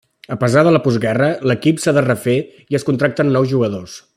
A pesar de la postguerra, l'equip s'ha de refer i es contracten nous jugadors.